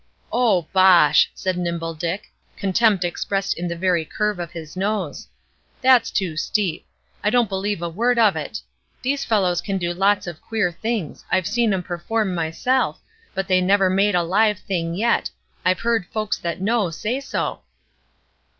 "Oh, bosh!" said Nimble Dick, contempt expressed in the very curve of his nose, "that's too steep; I don't believe a word of it! These fellows can do lots of queer things; I've seen 'em perform, myself; but they never made a live thing yet; I've heard folks that know, say so."